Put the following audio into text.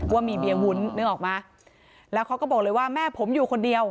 ว่ามีเบียร์วุ้นนึกออกมาแล้วเขาก็บอกเลยว่าแม่ผมอยู่คนเดียว